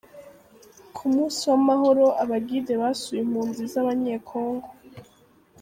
K: Ku munsi w’amahoro Abagide basuye impunzi z’Abanyekongo